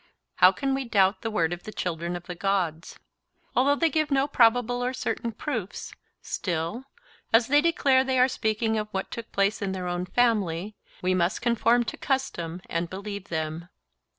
How can we doubt the word of the children of the Gods? Although they give no probable or certain proofs, still, as they declare that they are speaking of what took place in their own family, we must conform to custom and believe them.